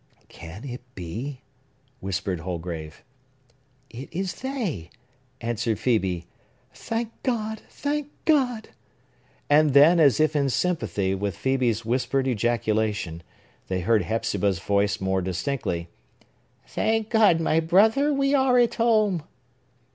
"Can it be?" whispered Holgrave. "It is they!" answered Phœbe. "Thank God!—thank God!" And then, as if in sympathy with Phœbe's whispered ejaculation, they heard Hepzibah's voice more distinctly. "Thank God, my brother, we are at home!"